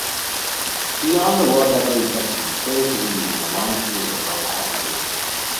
Beyond the well-decorated section the cave continues in a long series of low passages.